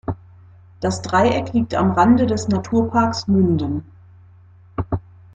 Das Dreieck liegt am Rande des Naturparks Münden.